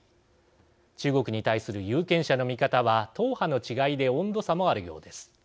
中国に対する有権者の見方は党派の違いで温度差もあるようです。